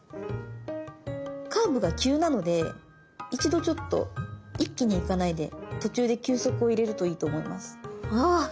カーブが急なので一度ちょっと一気に行かないで途中で休息を入れるといいと思います。